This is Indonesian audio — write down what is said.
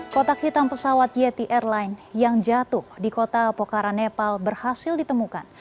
kotak hitam pesawat yeti airline yang jatuh di kota pokaran nepal berhasil ditemukan